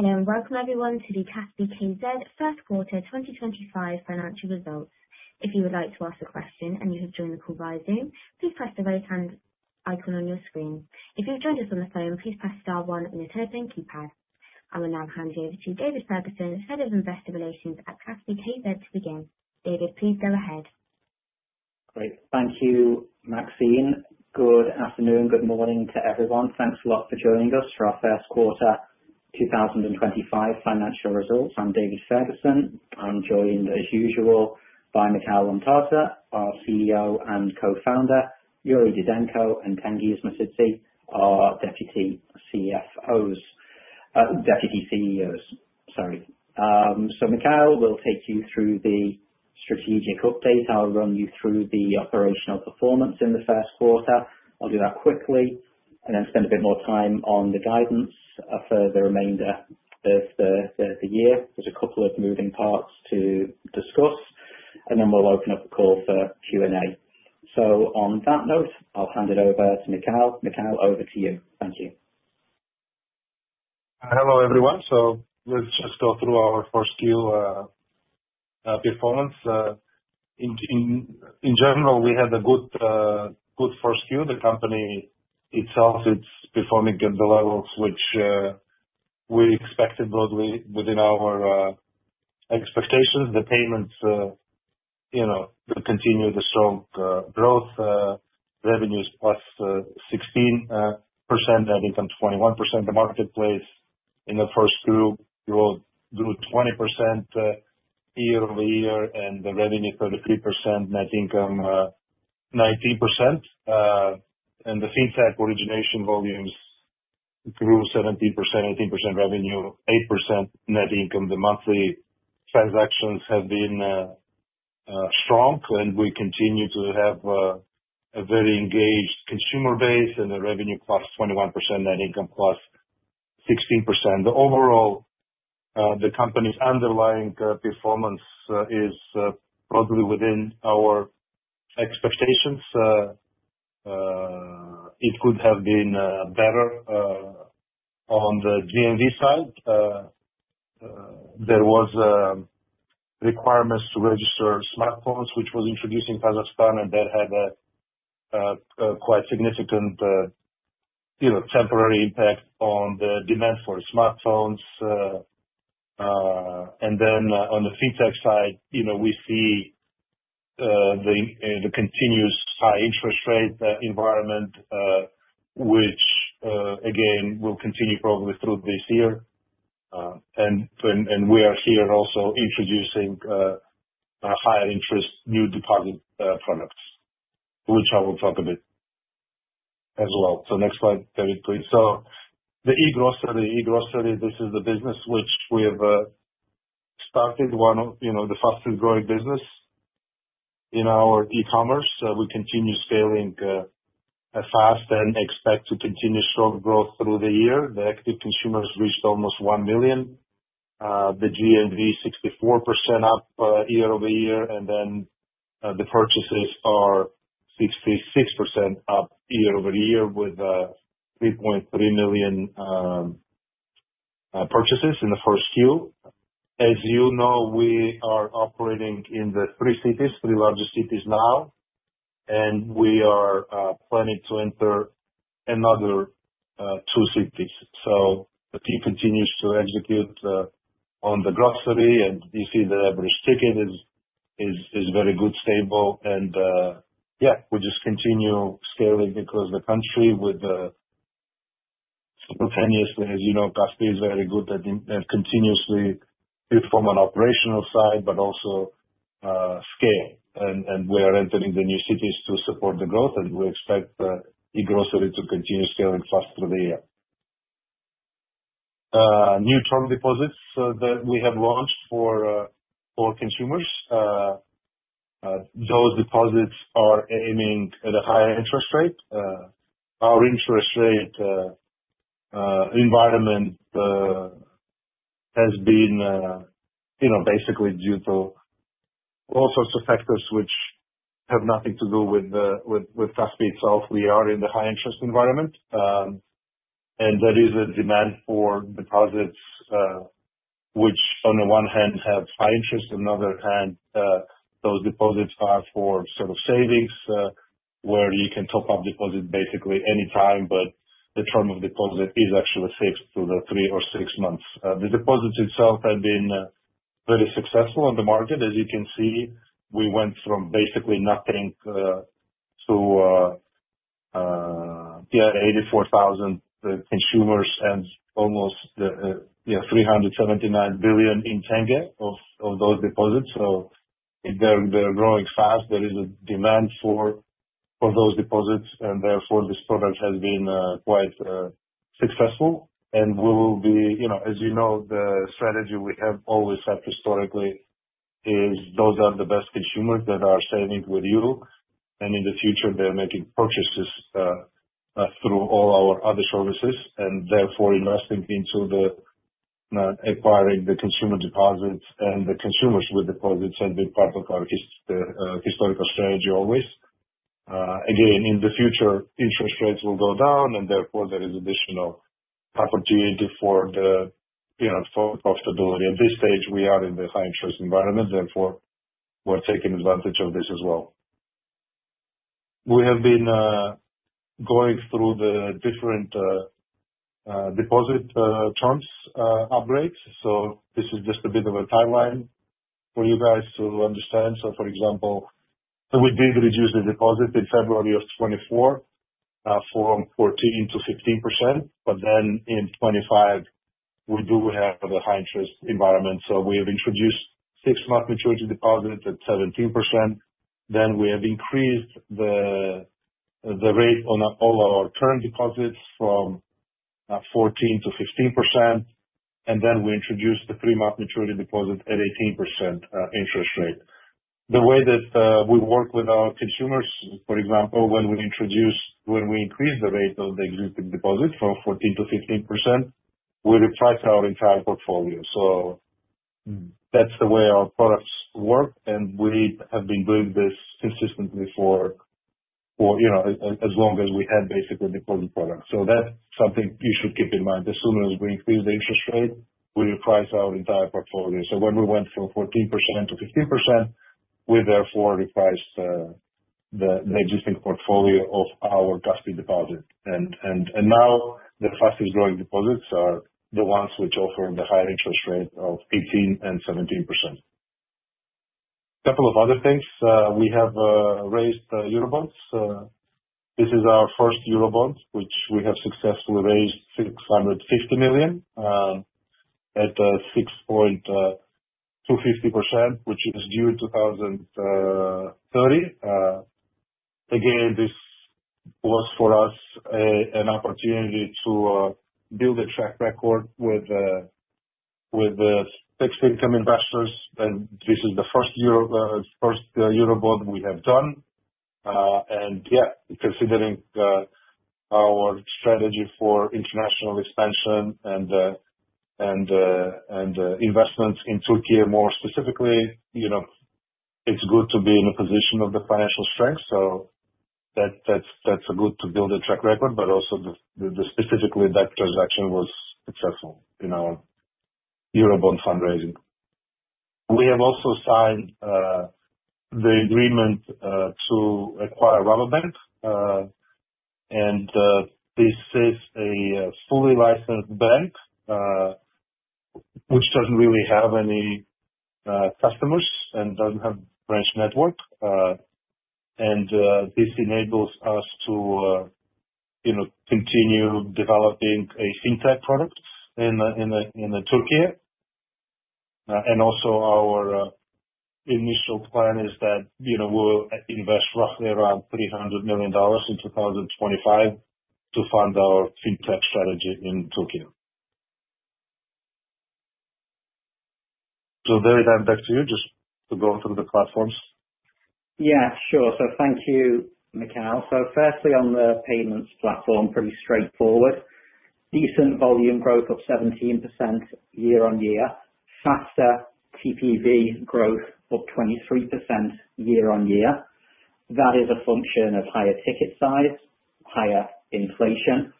Welcome, everyone, to the Kaspi.kz First Quarter 2025 financial results. If you would like to ask a question and you have joined the call via Zoom, please press the raise hand icon on your screen. If you've joined us on the phone, please press star one on your Telepoint keypad. I will now hand you over to David Ferguson, Head of Investor Relations at Kaspi.kz, to begin. David, please go ahead. Great. Thank you, Maxine. Good afternoon, good morning to everyone. Thanks a lot for joining us for our First Quarter 2025 financial results. I'm David Ferguson. I'm joined as usual by Mikheil Lomtadze, our CEO and co-founder, Yuri Didenko, and Tengiz Mosidze, our Deputy CEOs, sorry. Mikheil will take you through the strategic update. I'll run you through the operational performance in the First Quarter. I'll do that quickly and then spend a bit more time on the guidance for the remainder of the year. There's a couple of moving parts to discuss, and then we'll open up the call for Q&A. On that note, I'll hand it over to Mikheil. Mikheil, over to you. Thank you. Hello, everyone. Let's just go through our first year performance. In general, we had a good first year. The company itself, it's performing at the levels which we expected, broadly within our expectations. The payments, you know, will continue the strong growth. Revenues plus 16%, net income 21% of marketplace. In the First Quarter, growth grew 20% year over year, and the revenue 33%, net income 19%. The Fintech origination volumes grew 17%, 18% revenue, 8% net income. The monthly transactions have been strong, and we continue to have a very engaged consumer base and a revenue +21%, net income +16%. Overall, the company's underlying performance is probably within our expectations. It could have been better on the GMV side. There was, requirements to register smartphones, which was introduced in Kazakhstan, and that had a quite significant, you know, temporary impact on the demand for smartphones. On the Fintech side, you know, we see the continuous high interest rate environment, which, again, will continue probably through this year. We are here also introducing higher interest new deposit products, which I will talk a bit as well. Next slide, David, please. The eGrocery, eGrocery, this is the business which we have started, one of, you know, the fastest growing business in our e-commerce. We continue scaling fast and expect to continue strong growth through the year. The active consumers reached almost 1 million. The GMV, 64% up year over year. The purchases are 66% up year over year with 3.3 million purchases in the first year. As you know, we are operating in the three cities, three larger cities now, and we are planning to enter another two cities. The team continues to execute on the grocery, and you see the average ticket is very good, stable. Yeah, we just continue scaling across the country with, simultaneously, as you know, Kaspi is very good at continuously reforming operational side, but also, scale. We are entering the new cities to support the growth, and we expect eGrocery to continue scaling fast through the year. New term deposits that we have launched for consumers, those deposits are aiming at a higher interest rate. Our interest rate environment has been, you know, basically due to all sorts of factors which have nothing to do with Kaspi itself. We are in the high-interest environment, and there is a demand for deposits, which on the one hand have high interest. On the other hand, those deposits are for sort of savings, where you can top up deposits basically any time, but the term of deposit is actually fixed to the three or six months. The deposits itself have been very successful on the market. As you can see, we went from basically nothing to 84,000 consumers and almost KZT 379 billion of those deposits. They are growing fast. There is a demand for those deposits, and therefore this product has been quite successful. We will be, you know, as you know, the strategy we have always had historically is those are the best consumers that are saving with you, and in the future, they are making purchases through all our other services. Therefore, investing into the, acquiring the consumer deposits and the consumers with deposits has been part of our historical strategy always. Again, in the future, interest rates will go down, and therefore there is additional opportunity for the, you know, for profitability. At this stage, we are in the high-interest environment. Therefore, we're taking advantage of this as well. We have been going through the different deposit terms, upgrades. This is just a bit of a timeline for you guys to understand. For example, we did reduce the deposit in February of 2024, from 14% to 15%, but then in 2025, we do have a high-interest environment. We have introduced six-month maturity deposit at 17%. Then we have increased the rate on all our current deposits from 14% to 15%, and then we introduced the three-month maturity deposit at 18% interest rate. The way that we work with our consumers, for example, when we introduce, when we increase the rate of the existing deposit from 14% to 15%, we reprice our entire portfolio. That is the way our products work, and we have been doing this consistently for, you know, as long as we had basically deposit products. That is something you should keep in mind. As soon as we increase the interest rate, we reprice our entire portfolio. When we went from 14% to 15%, we therefore repriced the existing portfolio of our Kaspi deposit. Now the fastest growing deposits are the ones which offer the higher interest rate of 18% and 17%. A couple of other things. We have raised Eurobonds. This is our first Eurobond, which we have successfully raised $650 million at 6.250%, which is due in 2030. Again, this was for us, an opportunity to build a track record with fixed income investors. This is the first Euro, first Eurobond we have done. Yeah, considering our strategy for international expansion and investments in Türkiye more specifically, you know, it's good to be in a position of the financial strength. That's good to build a track record, but also specifically that transaction was successful in our Eurobond fundraising. We have also signed the agreement to acquire Rabobank. This is a fully licensed bank, which doesn't really have any customers and doesn't have a branch network. This enables us to, you know, continue developing a Fintech product in Türkiye. Also, our initial plan is that, you know, we'll invest roughly around $300 million in 2025 to fund our Fintech strategy in Türkiye. David, I'm back to you just to go through the platforms. Yeah, sure. Thank you, Mikheil. Firstly, on the payments platform, pretty straightforward. Decent volume growth of 17% year on year. Faster TPV growth of 23% year on year. That is a function of higher ticket size, higher inflation.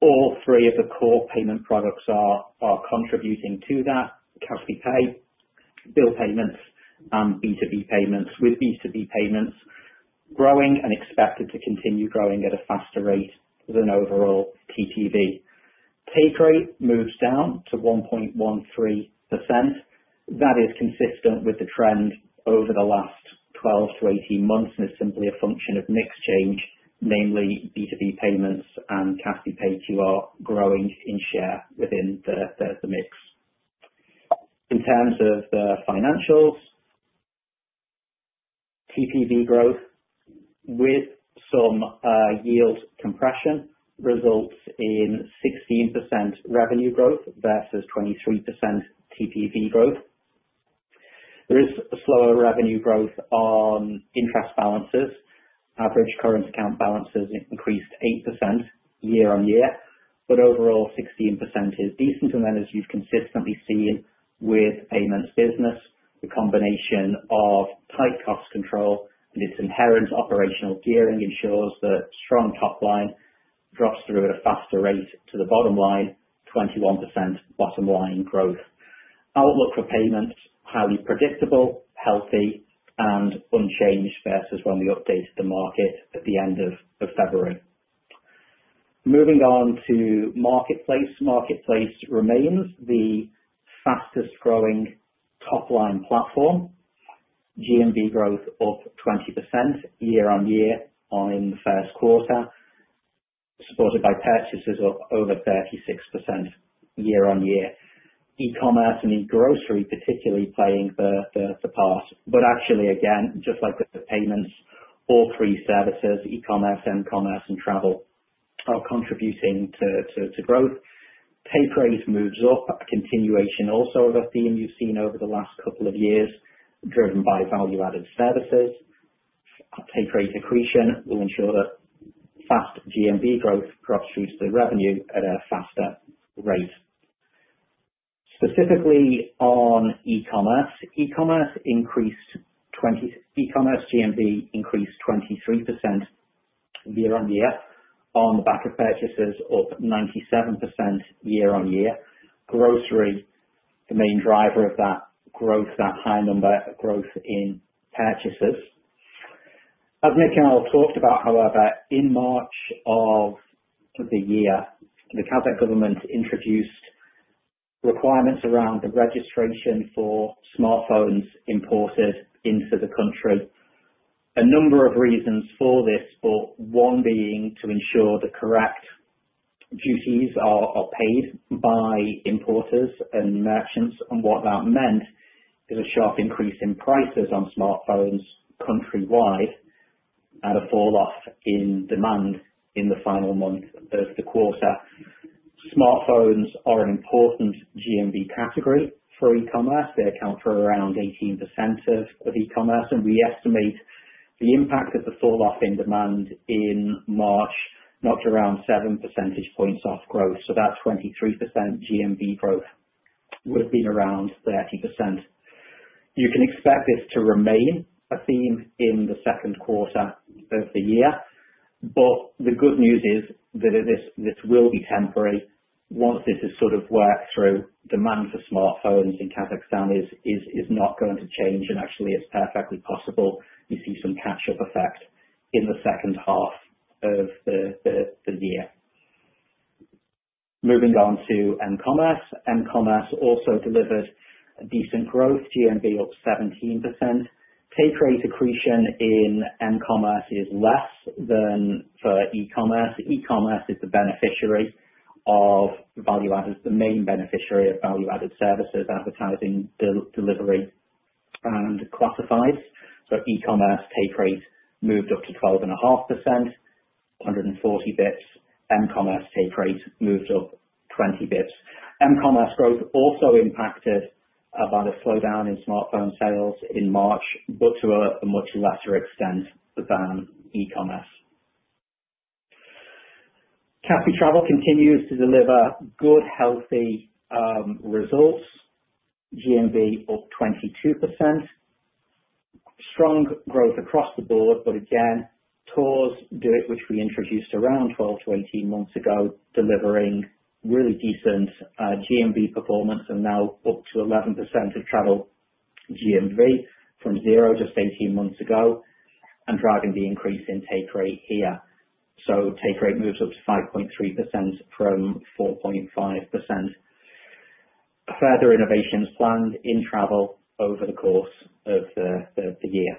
All three of the core payment products are contributing to that: Kaspi Pay, bill payments, and B2B payments. With B2B payments growing and expected to continue growing at a faster rate than overall TPV. Take rate moves down to 1.13%. That is consistent with the trend over the last 12-18 months, and it is simply a function of mix change, namely B2B payments and Kaspi Pay QR growing in share within the mix. In terms of the financials, TPV growth with some yield compression results in 16% revenue growth versus 23% TPV growth. There is slower revenue growth on interest balances. Average current account balances increased 8% year on year, but overall 16% is decent. As you have consistently seen with payments business, the combination of tight cost control and its inherent operational gearing ensures that strong top line drops through at a faster rate to the bottom line: 21% bottom line growth. Outlook for payments: highly predictable, healthy, and unchanged versus when we updated the market at the end of February. Moving on to marketplace. Marketplace remains the fastest growing top line platform. GMV growth of 20% year on year in the First Quarter, supported by purchases of over 36% year on year. E-commerce and e-grocery particularly playing the part. Actually, again, just like with the payments, all three services, e-commerce, m-commerce, and travel, are contributing to growth. Take rate moves up, a continuation also of a theme you've seen over the last couple of years, driven by value-added services. Take rate accretion will ensure that fast GMV growth drops through to the revenue at a faster rate. Specifically on e-commerce, e-commerce increased 20%. E-commerce GMV increased 23% year on year on the back of purchases of 97% year on year. Grocery, the main driver of that growth, that high number of growth in purchases. As Mikheil talked about, however, in March of the year, the Kazakh government introduced requirements around the registration for smartphones imported into the country. A number of reasons for this, but one being to ensure the correct duties are paid by importers and merchants. What that meant is a sharp increase in prices on smartphones countrywide and a falloff in demand in the final month of the Quarter. Smartphones are an important GMV category for e-commerce. They account for around 18% of e-commerce. We estimate the impact of the falloff in demand in March to be around 7 percentage points off growth. That 23% GMV growth would have been around 30%. You can expect this to remain a theme in the Second Quarter of the year. The good news is that this will be temporary. Once this is sort of worked through, demand for smartphones in Kazakhstan is not going to change. Actually, it is perfectly possible you see some catch-up effect in the second half of the year. Moving on to m-commerce. M-commerce also delivered decent growth, GMV of 17%. Take rate accretion in m-commerce is less than for e-commerce. E-commerce is the main beneficiary of value-added services, advertising, delivery, and classifieds. E-commerce take rate moved up to 12.5%, 140 basis points. M-commerce take rate moved up 20 basis points. M-commerce growth also impacted by the slowdown in smartphone sales in March, but to a much lesser extent than e-commerce. Kaspi Travel continues to deliver good, healthy results. GMV of 22%. Strong growth across the board, but again, TORS, which we introduced around 12-18 months ago, delivering really decent GMV performance and now up to 11% of travel GMV from 0 just 18 months ago and driving the increase in take rate here. Take rate moves up to 5.3% from 4.5%. Further innovations planned in travel over the course of the year.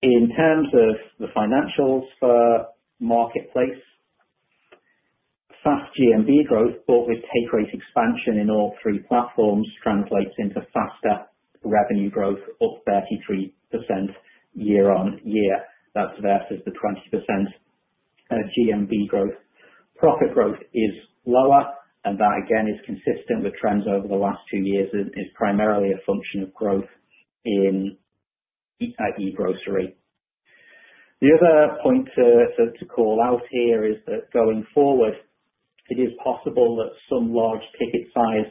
In terms of the financials for marketplace, fast GMV growth, but with take rate expansion in all three platforms, translates into faster revenue growth of 33% year on year. That is versus the 20% GMV growth. Profit growth is lower, and that again is consistent with trends over the last two years and is primarily a function of growth in e-Grocery. The other point to call out here is that going forward, it is possible that some large ticket size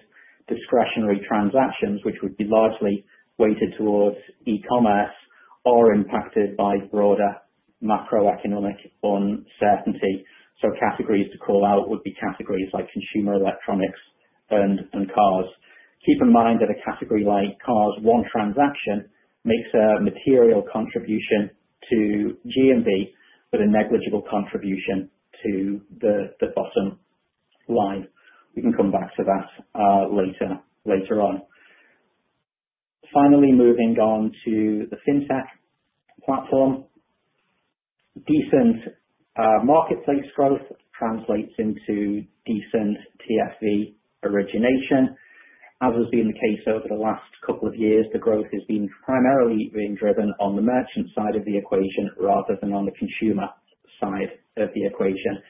discretionary transactions, which would be largely weighted towards e-commerce, are impacted by broader macroeconomic uncertainty. Categories to call out would be categories like consumer electronics and cars. Keep in mind that a category like cars, one transaction makes a material contribution to GMV, but a negligible contribution to the bottom line. We can come back to that later on. Finally, moving on to the Fintech platform, decent marketplace growth translates into decent TFV origination. As has been the case over the last couple of years, the growth has primarily been driven on the merchant side of the equation rather than on the consumer side of the equation.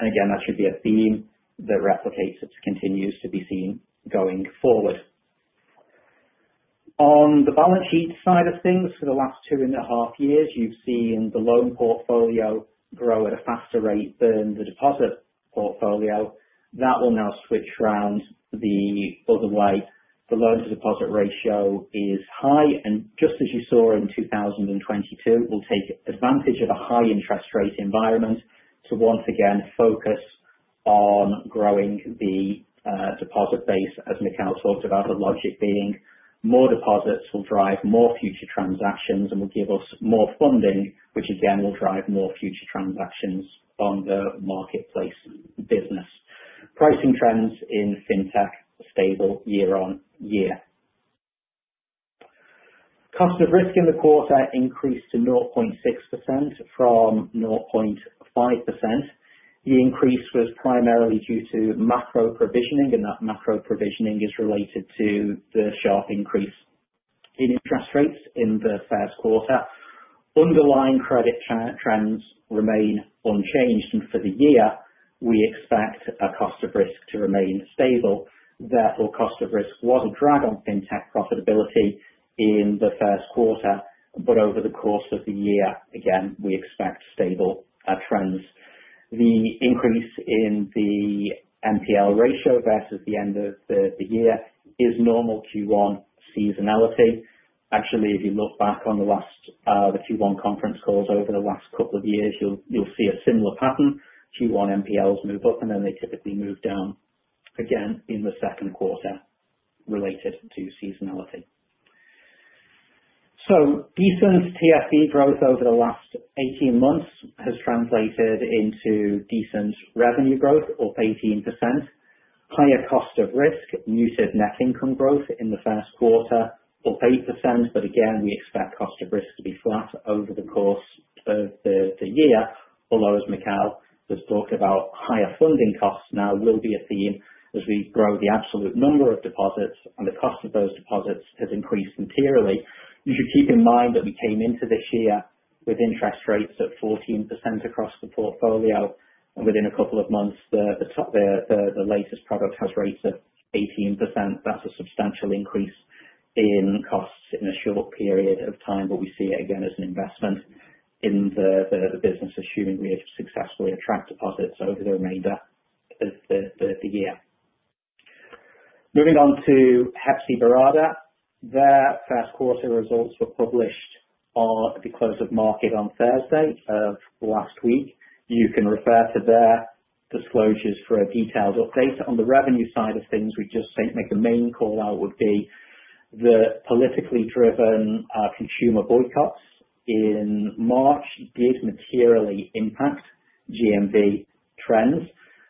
That should be a theme that replicates, that continues to be seen going forward. On the balance sheet side of things, for the last two and a half years, you've seen the loan portfolio grow at a faster rate than the deposit portfolio. That will now switch round the other way. The loan-to-deposit ratio is high, and just as you saw in 2022, it will take advantage of a high interest rate environment to once again focus on growing the deposit base as Mikheil talked about. The logic being more deposits will drive more future transactions and will give us more funding, which again will drive more future transactions on the marketplace business. Pricing trends in Fintech stable year on year. Cost of risk in the Quarter increased to 0.6% from 0.5%. The increase was primarily due to macro provisioning, and that macro provisioning is related to the sharp increase in interest rates in the First Quarter. Underlying credit trends remain unchanged, and for the year, we expect a cost of risk to remain stable. Therefore, cost of risk was a drag on Fintech profitability in the First Quarter, but over the course of the year, again, we expect stable trends. The increase in the MPL ratio versus the end of the year is normal Q1 seasonality. Actually, if you look back on the last Q1 conference calls over the last couple of years, you'll see a similar pattern. Q1 MPLs move up, and then they typically move down again in the Second Quarter related to seasonality. Decent TFV growth over the last 18 months has translated into decent revenue growth of 18%. Higher cost of risk, muted net income growth in the First Quarter of 8%, but again, we expect cost of risk to be flat over the course of the year. Although, as Mikheil has talked about, higher funding costs now will be a theme as we grow the absolute number of deposits and the cost of those deposits has increased materially. You should keep in mind that we came into this year with interest rates at 14% across the portfolio, and within a couple of months, the latest product has rates of 18%. That's a substantial increase in costs in a short period of time, but we see it again as an investment in the business, assuming we have successfully attracted deposits over the remainder of the year. Moving on to Hepsiburada, their First Quarter results were published at the close of market on Thursday of last week. You can refer to their disclosures for a detailed update. On the revenue side of things, we just think, Mikheil, the main call out would be the politically driven consumer boycotts in March did materially impact GMV trends.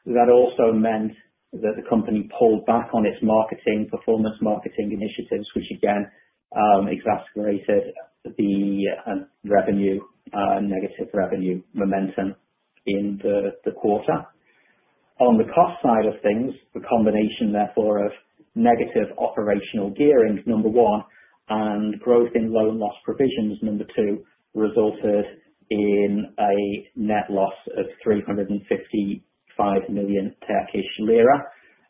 That also meant that the company pulled back on its marketing performance marketing initiatives, which again, exacerbated the negative revenue momentum in the Quarter. On the cost side of things, the combination, therefore, of negative operational gearing, number one, and growth in loan loss provisions, number two, resulted in a net loss of 355 million Turkish lira.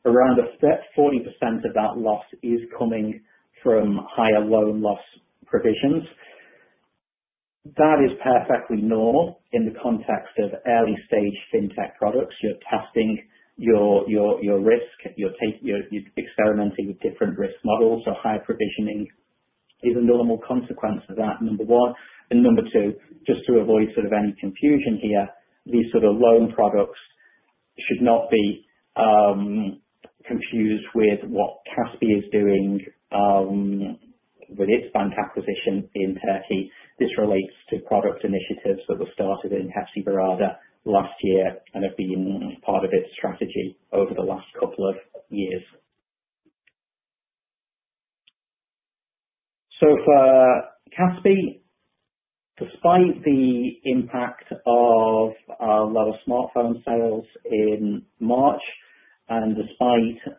Around 40% of that loss is coming from higher loan loss provisions. That is perfectly normal in the context of early stage Fintech products. You're testing your risk. You're taking your, you're experimenting with different risk models, so higher provisioning is a normal consequence of that, number one. Number two, just to avoid sort of any confusion here, these sort of loan products should not be confused with what Kaspi.kz is doing with its bank acquisition in Türkiye. This relates to product initiatives that were started in Hepsiburada last year and have been part of its strategy over the last couple of years. So for Kaspi.kz, despite the impact of lower smartphone sales in March and despite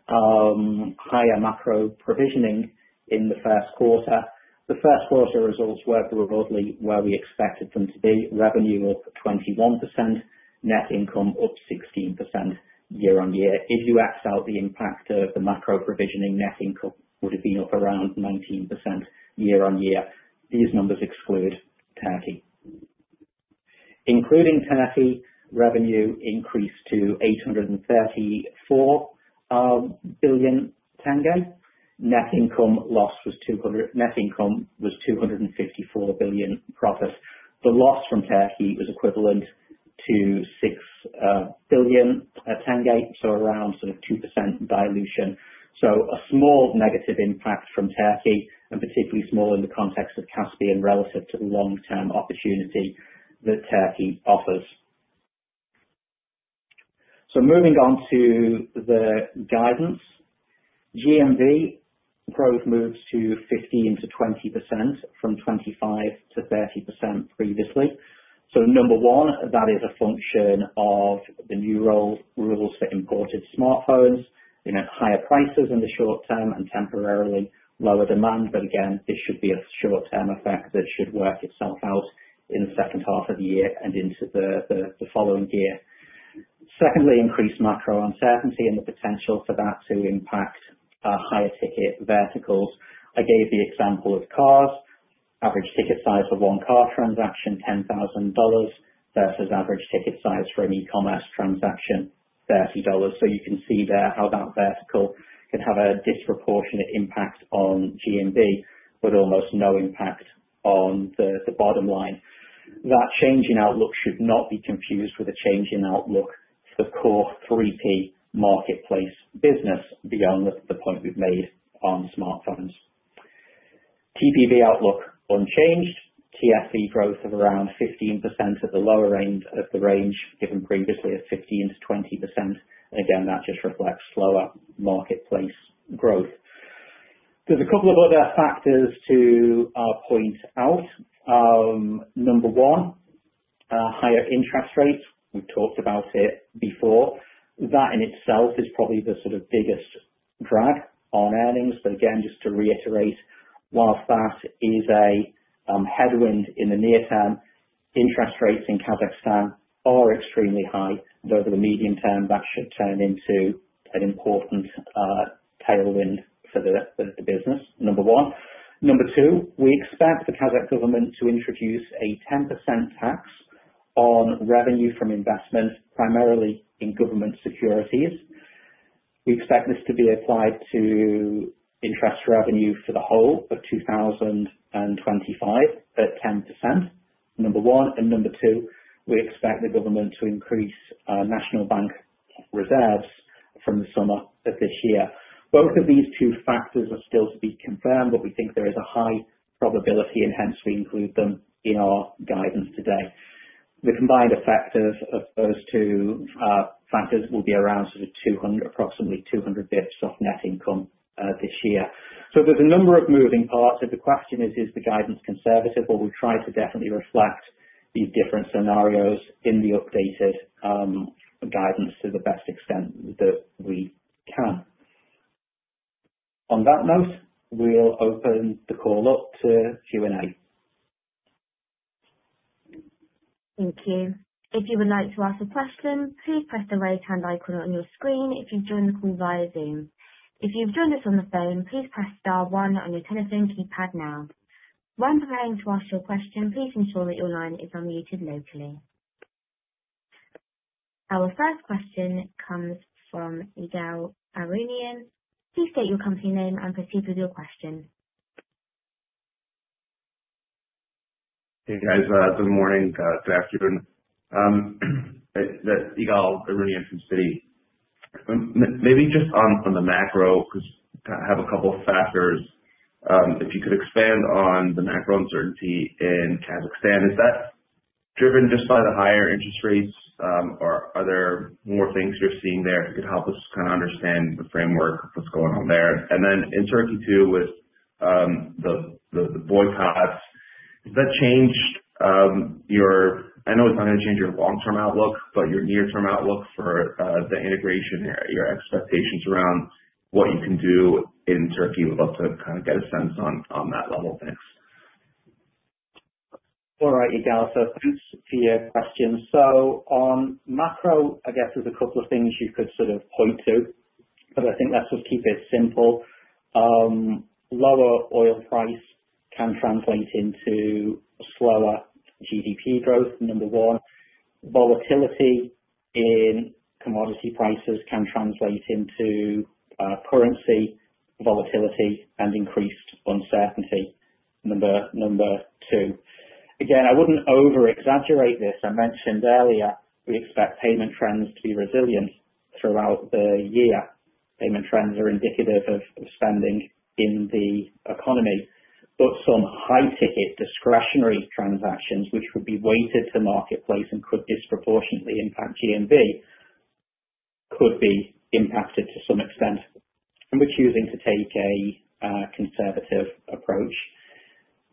higher macro provisioning in the First Quarter, the First Quarter results were broadly where we expected them to be: revenue up 21%, net income up 16% year on year. If you X out the impact of the macro provisioning, net income would have been up around 19% year on year. These numbers exclude Türkiye. Including Türkiye, revenue increased to KZT 834 billion. Net income loss was KZT 200 billion, net income was KZT 254 billion profit. The loss from Türkiye was equivalent to KZT 6 billion, so around sort of 2% dilution. A small negative impact from Türkiye, and particularly small in the context of Kaspi.kz and relative to the long-term opportunity that Türkiye offers. Moving on to the guidance, GMV growth moves to 15%-20% from 25%-30% previously. Number one, that is a function of the new rules for imported smartphones and higher prices in the short term and temporarily lower demand. Again, this should be a short-term effect that should work itself out in the second half of the year and into the following year. Secondly, increased macro uncertainty and the potential for that to impact higher ticket verticals. I gave the example of cars: average ticket size for one car transaction, $10,000, versus average ticket size for an e-commerce transaction, $30. You can see there how that vertical can have a disproportionate impact on GMV, but almost no impact on the bottom line. That change in outlook should not be confused with a change in outlook for core 3P marketplace business beyond the point we have made on smartphones. TPV outlook unchanged, TFV growth of around 15% at the lower end of the range, given previously at 15%-20%. That just reflects slower marketplace growth. There are a couple of other factors to point out. Number one, higher interest rates. We have talked about it before. That in itself is probably the sort of biggest drag on earnings. Just to reiterate, whilst that is a headwind in the near term, interest rates in Kazakhstan are extremely high, and over the medium term, that should turn into an important tailwind for the business, number one. Number two, we expect the Kazakh government to introduce a 10% tax on revenue from investment, primarily in government securities. We expect this to be applied to interest revenue for the whole of 2025 at 10%, number one. Number two, we expect the government to increase National Bank reserves from the summer of this year. Both of these two factors are still to be confirmed, but we think there is a high probability, and hence we include them in our guidance today. The combined effect of those two factors will be around sort of 200, approximately 200 basis points off net income this year. There are a number of moving parts. If the question is, is the guidance conservative? We will try to definitely reflect these different scenarios in the updated guidance to the best extent that we can. On that note, we will open the call up to Q&A. Thank you. If you would like to ask a question, please press the raise hand icon on your screen if you have joined the call via Zoom. If you have joined us on the phone, please press star one on your telephone keypad now. When preparing to ask your question, please ensure that your line is unmuted locally. Our first question comes from Ygal Arounian. Please state your company name and proceed with your question. Hey, guys. Good morning, good afternoon. I think Ygal Arounian from Citi. Maybe just on the macro, 'cause you kind of have a couple of factors. If you could expand on the macro uncertainty in Kazakhstan, is that driven just by the higher interest rates, or are there more things you're seeing there that could help us kind of understand the framework of what's going on there? Then in Türkiye too, with the boycotts, has that changed your—I know it's not gonna change your long-term outlook, but your near-term outlook for the integration area, your expectations around what you can do in Türkiye? We'd love to kind of get a sense on that level. Thanks. All right, Ygal. Thanks for your question. On macro, I guess there's a couple of things you could sort of point to, but I think let's just keep it simple. Lower oil price can translate into slower GDP growth, number one. Volatility in commodity prices can translate into currency volatility and increased uncertainty, number two. Again, I wouldn't over-exaggerate this. I mentioned earlier we expect payment trends to be resilient throughout the year. Payment trends are indicative of spending in the economy, but some high-ticket discretionary transactions, which would be weighted to marketplace and could disproportionately impact GMV, could be impacted to some extent. We're choosing to take a conservative approach.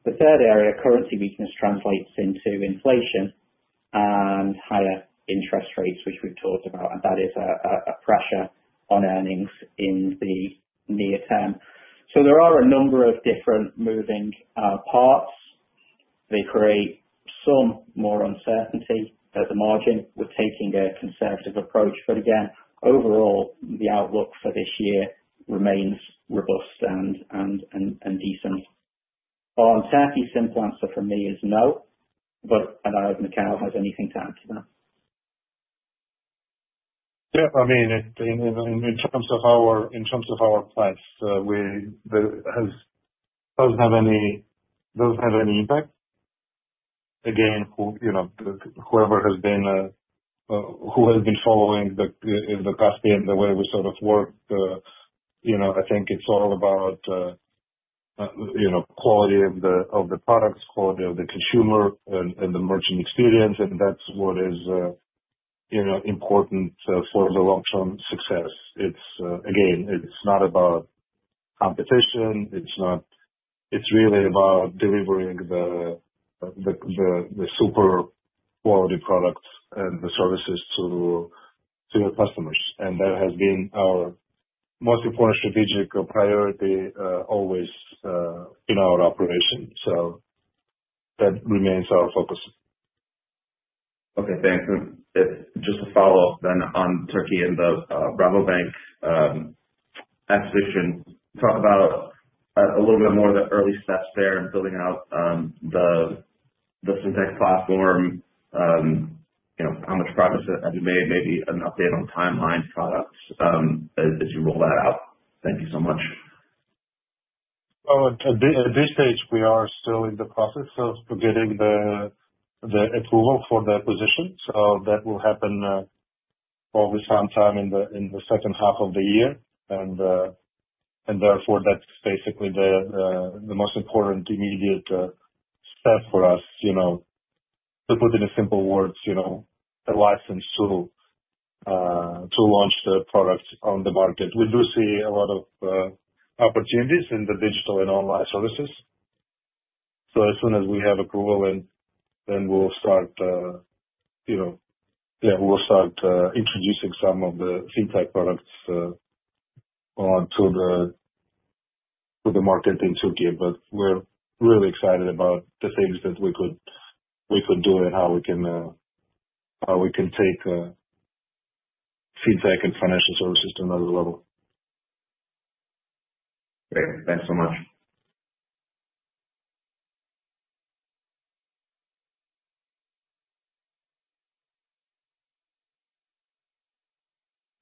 The third area, currency weakness, translates into inflation and higher interest rates, which we've talked about, and that is a pressure on earnings in the near term. There are a number of different moving parts. They create some more uncertainty at the margin. We're taking a conservative approach, but again, overall, the outlook for this year remains robust and decent. On Turkey, the simple answer for me is no, but I don't know if Mikheil has anything to add to that. Yeah, I mean, in terms of our plans, we, the has doesn't have any doesn't have any impact. Again, who, you know, whoever has been, who has been following the Kaspi and the way we sort of work, you know, I think it's all about, you know, quality of the products, quality of the consumer, and the merchant experience, and that's what is, you know, important for the long-term success. It's, again, it's not about competition. It's not, it's really about delivering the super quality products and the services to your customers. That has been our most important strategic priority, always, in our operation. That remains our focus. Okay. Thanks. Just to follow up then on Turkey and the Rabobank acquisition, talk about a little bit more of the early steps there and building out the Fintech platform, you know, how much progress have you made, maybe an update on timeline, products, as you roll that out? Thank you so much. At this stage, we are still in the process of getting the approval for the acquisition. That will happen, probably sometime in the second half of the year. Therefore, that's basically the most important immediate step for us, you know, to put it in simple words, you know, a license to launch the product on the market. We do see a lot of opportunities in the digital and online services. As soon as we have approval, then we'll start, you know, yeah, we'll start introducing some of the Fintech products onto the market in Türkiye. We're really excited about the things that we could do and how we can, how we can take Fintech and financial services to another level. Great. Thanks so much.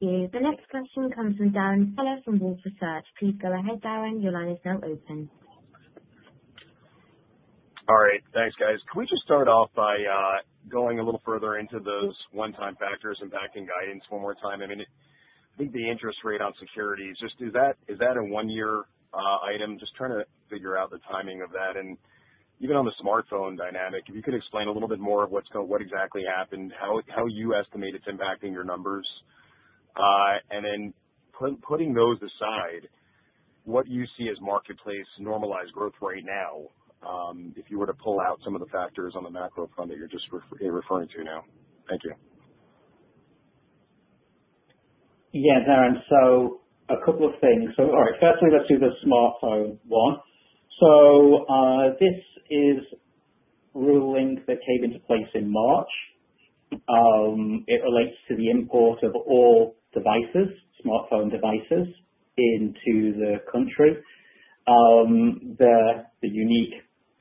Okay. The next question comes from Darrin Peller from Wolfe Research. Please go ahead, Darrin. Your line is now open. All right. Thanks, guys. Can we just start off by going a little further into those one-time factors impacting guidance one more time? I mean, I think the interest rate on securities, just is that a one-year item? Just trying to figure out the timing of that. I mean, even on the smartphone dynamic, if you could explain a little bit more of what's go—what exactly happened, how you estimate it's impacting your numbers. And then putting those aside, what you see as marketplace normalized growth right now, if you were to pull out some of the factors on the macro front that you're just referring to now? Thank you. Yeah, Darrin. A couple of things. All right. Firstly, let's do the smartphone one. This is a ruling that came into place in March. It relates to the import of all devices, smartphone devices, into the country. The unique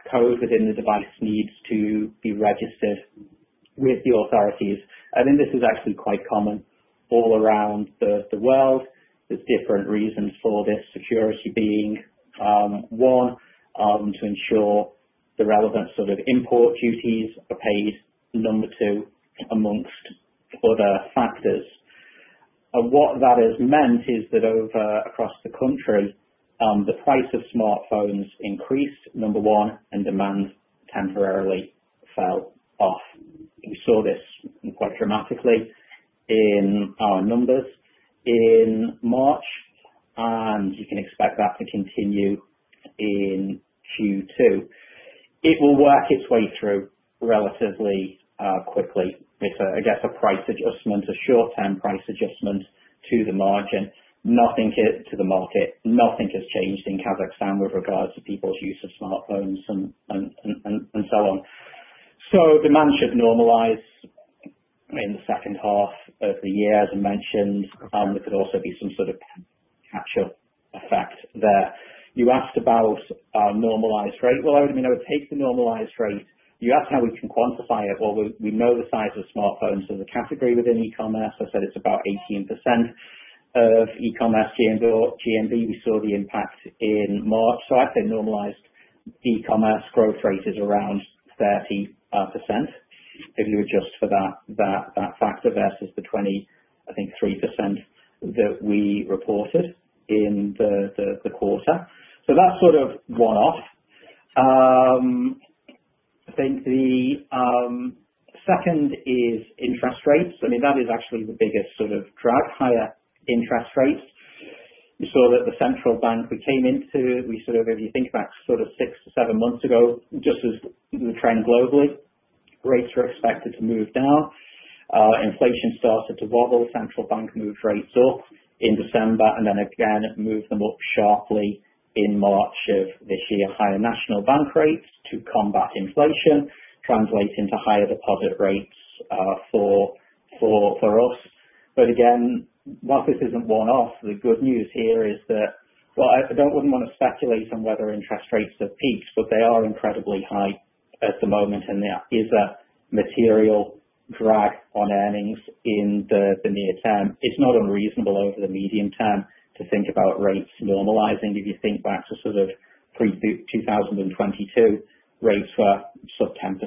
code within the device needs to be registered with the authorities. I think this is actually quite common all around the world. There are different reasons for this, security being one, to ensure the relevant sort of import duties are paid, number two, amongst other factors. What that has meant is that across the country, the price of smartphones increased, number one, and demand temporarily fell off. We saw this quite dramatically in our numbers in March, and you can expect that to continue in Q2. It will work its way through relatively quickly. It's a, I guess, a price adjustment, a short-term price adjustment to the margin. Nothing to the market, nothing has changed in Kazakhstan with regards to people's use of smartphones and, and so on. Demand should normalize in the second half of the year, as I mentioned. There could also be some sort of catch-up effect there. You asked about normalized rate. I would, I mean, I would take the normalized rate. You asked how we can quantify it. We know the size of smartphones as a category within e-commerce. I said it's about 18% of e-commerce GMV. We saw the impact in March. I'd say normalized e-commerce growth rate is around 30% if you adjust for that factor versus the 23% that we reported in the Quarter. That's sort of one-off. I think the second is interest rates. I mean, that is actually the biggest sort of drag, higher interest rates. We saw that the central bank we came into, we sort of, if you think back sort of six to seven months ago, just as the trend globally, rates were expected to move down. Inflation started to wobble. The central bank moved rates up in December and then again moved them up sharply in March of this year, higher national bank rates to combat inflation, translating to higher deposit rates for us. Again, while this is not one-off, the good news here is that I do not want to speculate on whether interest rates have peaked, but they are incredibly high at the moment, and there is a material drag on earnings in the near term. It's not unreasonable over the medium term to think about rates normalizing. If you think back to sort of pre-2022, rates were sub 10%.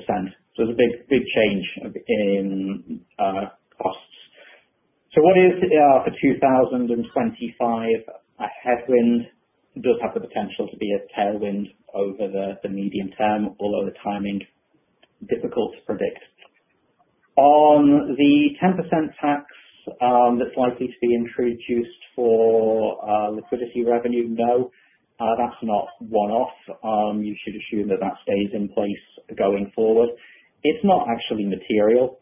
There's a big, big change in costs. What is, for 2025, a headwind does have the potential to be a tailwind over the medium term, although the timing is difficult to predict. On the 10% tax, that's likely to be introduced for liquidity revenue, no, that's not one-off. You should assume that that stays in place going forward. It's not actually material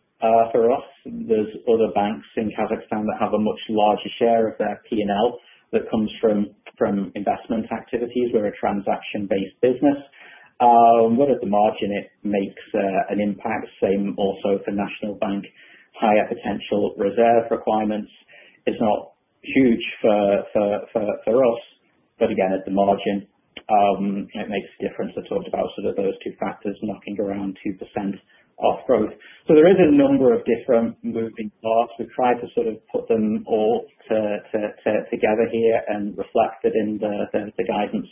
for us. There are other banks in Kazakhstan that have a much larger share of their P&L that comes from investment activities. We're a transaction-based business, but at the margin, it makes an impact. Same also for National Bank, higher potential reserve requirements. It's not huge for us, but again, at the margin, it makes a difference. I talked about sort of those two factors knocking around 2% off growth. There is a number of different moving parts. We've tried to sort of put them all together here and reflected in the guidance,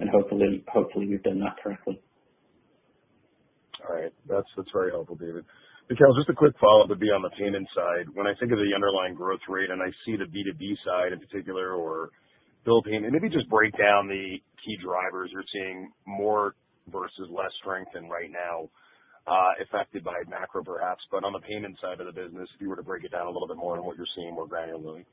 and hopefully we've done that correctly. All right. That's very helpful, David. Mikheil, just a quick follow-up would be on the payment side. When I think of the underlying growth rate and I see the B2B side in particular or Bill payments, maybe just break down the key drivers you're seeing more versus less strength in right now, affected by macro perhaps, but on the payment side of the business, if you were to break it down a little bit more than what you're seeing more granularly.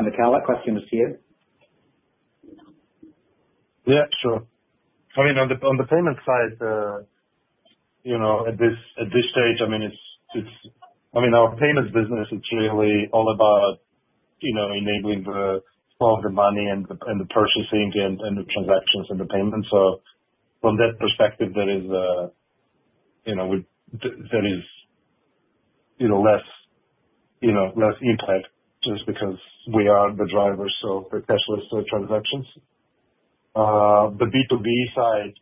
Mikheil, that question was to you. Yeah, sure. I mean, on the payment side, you know, at this stage, I mean, our payments business is really all about, you know, enabling the flow of the money and the purchasing and the transactions and the payments. From that perspective, there is, you know, less impact just because we are the drivers of the cashless transactions. The B2B side,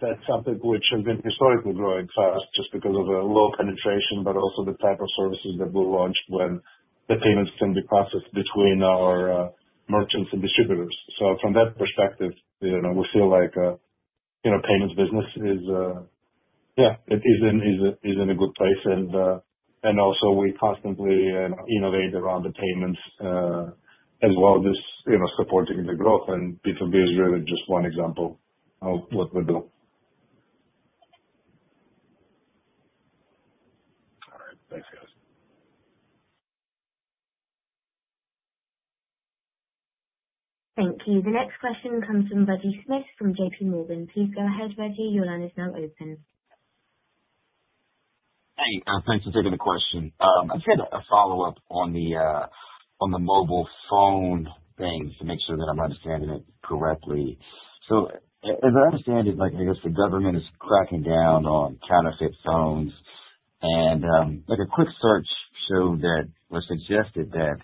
that's something which has been historically growing fast just because of the low penetration, but also the type of services that we launched when the payments can be processed between our merchants and distributors. From that perspective, you know, we feel like, you know, payments business is, yeah, it is in a good place. We constantly, you know, innovate around the payments, as well as, you know, supporting the growth. And B2B is really just one example of what we do. Thank you. The next question comes from Reggie Smith from J.P. Morgan. Please go ahead, Reggie. Your line is now open. Hey, thanks for taking the question. I just had a follow-up on the, on the mobile phone thing to make sure that I'm understanding it correctly. As I understand it, I guess the government is cracking down on counterfeit phones. A quick search showed that or suggested that,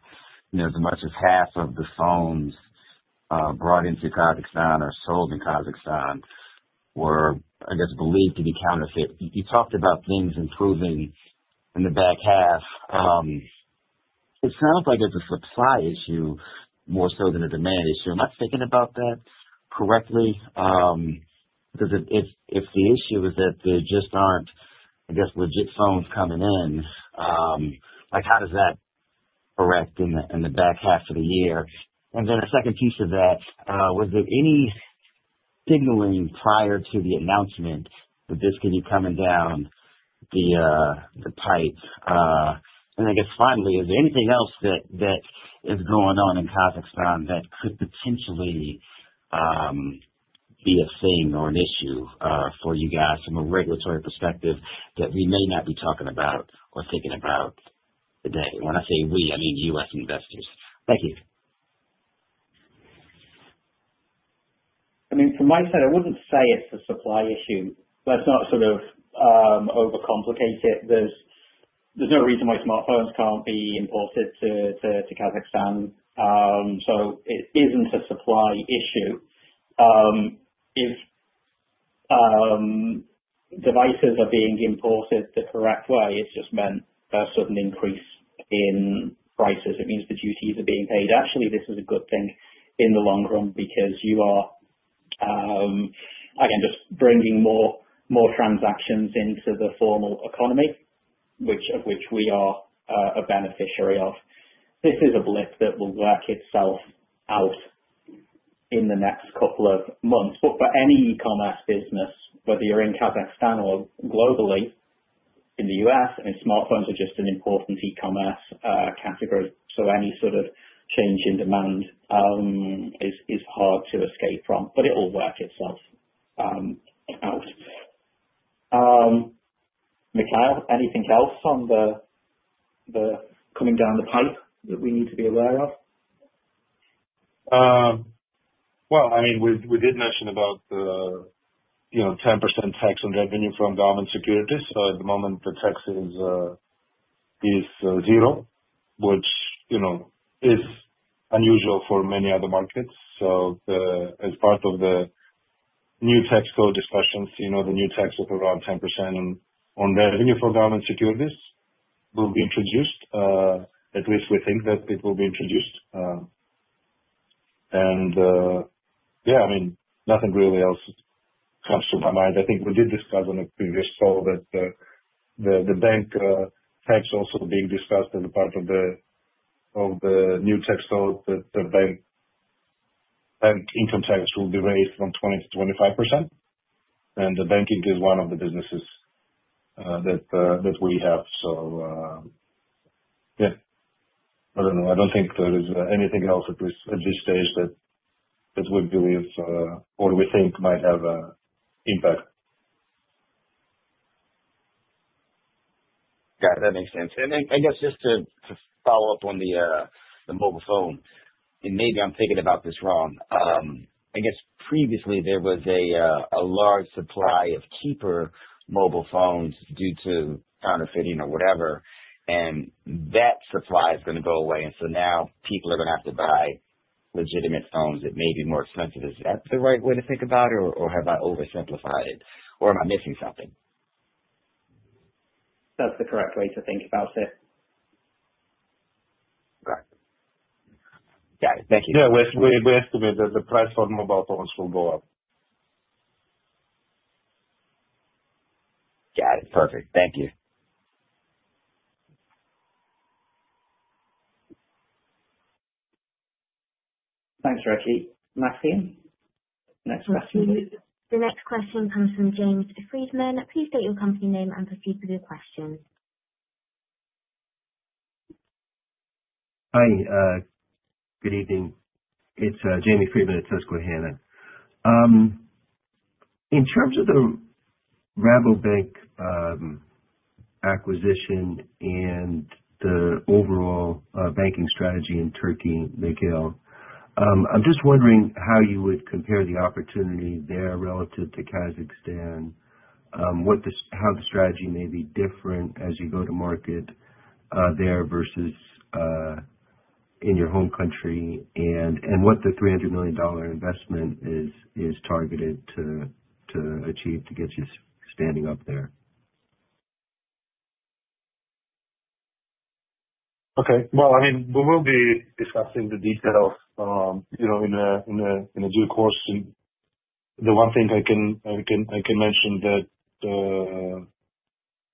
you know, as much as half of the phones brought into Kazakhstan or sold in Kazakhstan were, I guess, believed to be counterfeit. You talked about things improving in the back half. It sounds like it's a supply issue more so than a demand issue. Am I thinking about that correctly? Because if the issue is that there just aren't, I guess, legit phones coming in, how does that correct in the back half of the year? A second piece of that, was there any signaling prior to the announcement that this could be coming down the pipe? I guess finally, is there anything else that is going on in Kazakhstan that could potentially be a thing or an issue for you guys from a regulatory perspective that we may not be talking about or thinking about today? When I say we, I mean US investors. Thank you. I mean, from my side, I would not say it is a supply issue. Let us not sort of overcomplicate it. There is no reason why smartphones cannot be imported to Kazakhstan. It is not a supply issue. If devices are being imported the correct way, it just meant a sudden increase in prices. It means the duties are being paid. Actually, this is a good thing in the long run because you are, again, just bringing more transactions into the formal economy, of which we are a beneficiary. This is a blip that will work itself out in the next couple of months. For any e-commerce business, whether you are in Kazakhstan or globally in the U.S., I mean, smartphones are just an important e-commerce category. Any sort of change in demand is hard to escape from, but it will work itself out. Mikheil, anything else on the coming down the pipe that we need to be aware of? I mean, we did mention about the, you know, 10% tax on revenue from government securities. At the moment, the tax is zero, which, you know, is unusual for many other markets. As part of the new tax code discussions, the new tax of around 10% on revenue for government securities will be introduced. At least we think that it will be introduced. Yeah, I mean, nothing really else comes to my mind. I think we did discuss on a previous call that the bank tax also being discussed as a part of the new tax code, that the bank income tax will be raised from 20% to 25%. The banking is one of the businesses that we have. Yeah, I do not know. I don't think there is anything else at this stage that we believe, or we think might have an impact. Got it. That makes sense. I guess just to follow up on the mobile phone, and maybe I'm thinking about this wrong, I guess previously there was a large supply of cheaper mobile phones due to counterfeiting or whatever, and that supply is going to go away. Now people are going to have to buy legitimate phones that may be more expensive. Is that the right way to think about it, or have I oversimplified it, or am I missing something? That's the correct way to think about it. Got it. Got it. Thank you. Yeah, we estimate that the price for mobile phones will go up. Got it. Perfect. Thank you. Thanks, Reggie. Maxine, next question, please. The next question comes from James Friedman. Please state your company name and proceed with your question. Hi, good evening. It's Jamie Friedman at Susquehanna. In terms of the Rabobank acquisition and the overall banking strategy in Türkiye, Mikheil, I'm just wondering how you would compare the opportunity there relative to Kazakhstan, how the strategy may be different as you go to market there versus in your home country, and what the $300 million investment is targeted to achieve to get you standing up there. Okay. I mean, we will be discussing the details, you know, in a due course. The one thing I can mention is that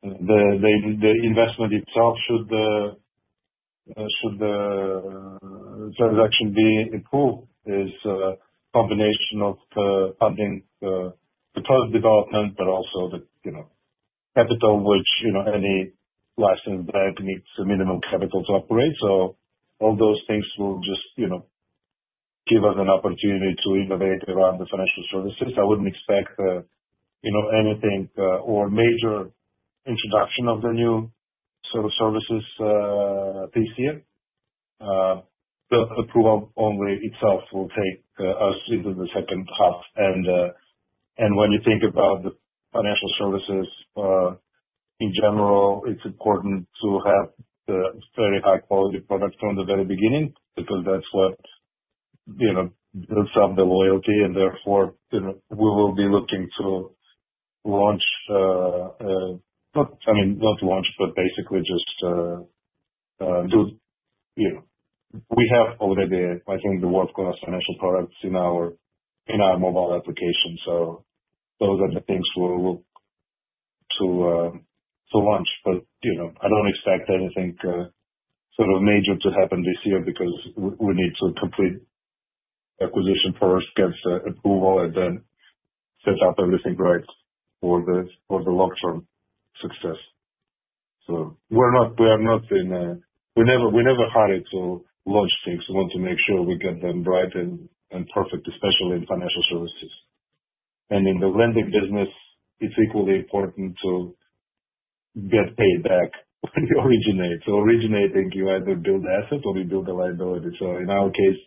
the investment itself should, should the transaction be approved, is a combination of funding the product development, but also the, you know, capital, which, you know, any licensed bank needs a minimum capital to operate. All those things will just, you know, give us an opportunity to innovate around the financial services. I would not expect, you know, anything, or major introduction of new sort of services this year. The approval only itself will take us into the second half. When you think about the financial services in general, it is important to have the very high-quality product from the very beginning because that is what, you know, builds up the loyalty. Therefore, you know, we will be looking to launch, not, I mean, not launch, but basically just, you know, we have already, I think, the world-class financial products in our mobile application. Those are the things we'll look to launch. You know, I don't expect anything sort of major to happen this year because we need to complete the acquisition first, get the approval, and then set up everything right for the long-term success. We are not in a, we never hurry to launch things. We want to make sure we get them right and perfect, especially in financial services. In the lending business, it's equally important to get paid back when you originate. Originating, you either build the asset or you build the liability. In our case,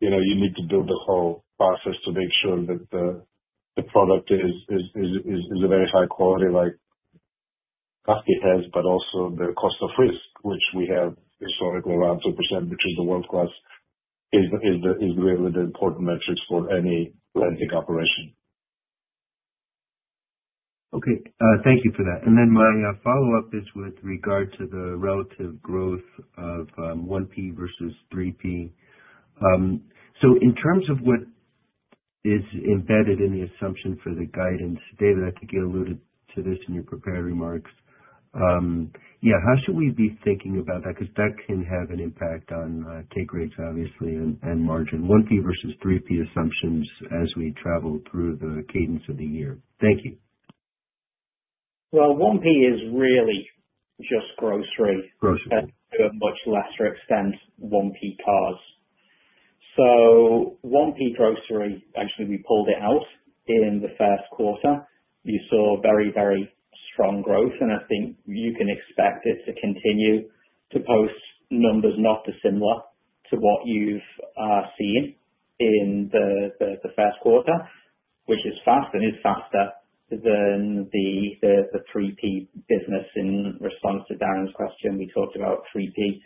you know, you need to build the whole process to make sure that the product is a very high quality, like Kaspi.kz has, but also the cost of risk, which we have historically around 2%, which is world-class, is really the important metrics for any lending operation. Okay. Thank you for that. And then my follow-up is with regard to the relative growth of 1P versus 3P. So in terms of what is embedded in the assumption for the guidance, David, I think you alluded to this in your prepared remarks. Yeah, how should we be thinking about that? Because that can have an impact on take rates, obviously, and margin. 1P versus 3P assumptions as we travel through the cadence of the year. Thank you. 1P is really just grocery. Grocery. To a much lesser extent, 1P cars. 1P grocery, actually, we pulled it out in the First Quarter. You saw very, very strong growth. I think you can expect it to continue to post numbers not dissimilar to what you have seen in the First Quarter, which is fast and is faster than the 3P business. In response to Darren's question, we talked about 3P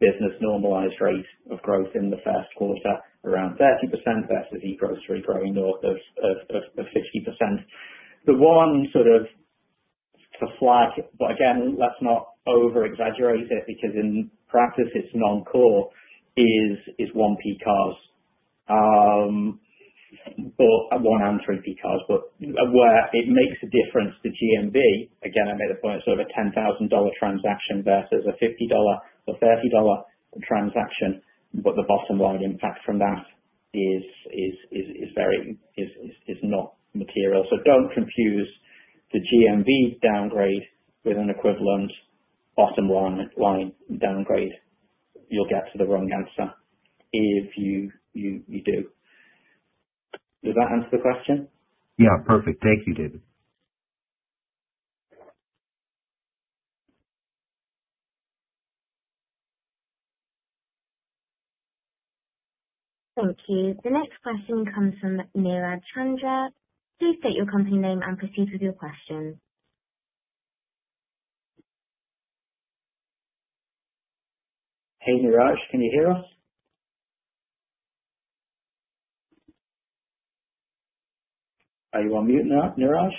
business normalized rate of growth in the First Quarter, around 30% versus e-grocery growing north of 50%. The one sort of flag—but again, let's not over-exaggerate it because in practice, it is non-core—is 1P cars, or 1 and 3P cars. Where it makes a difference, the GMV—again, I made a point—so of a $10,000 transaction versus a $50 or $30 transaction. The bottom line impact from that is not material. Do not confuse the GMV downgrade with an equivalent bottom line downgrade. You will get to the wrong answer if you do. Does that answer the question? Yeah. Perfect. Thank you, David. Thank you. The next question comes from Neeraj Chandra. Please state your company name and proceed with your question. Hey, Neeraj. Can you hear us? Are you on mute now, Neeraj?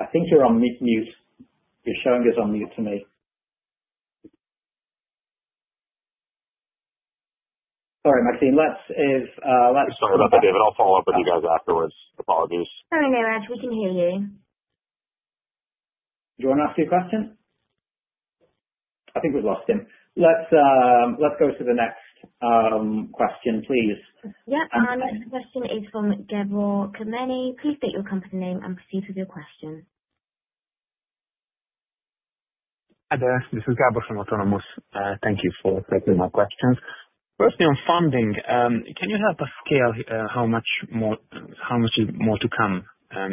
I think you're on mute. You're showing as on mute to me. Sorry, Maxine. Let's, if, let's. Sorry about that, David. I'll follow up with you guys afterwards. Apologies. Sorry, Neeraj. We can hear you. Do you want to ask your question? I think we've lost him. Let's go to the next question, please. Yep. Our next question is from Gabor Kemeny. Please state your company name and proceed with your question. Hi, there. This is Gabor from Autonomous. Thank you for taking my questions. Firstly, on funding, can you help us scale how much more to come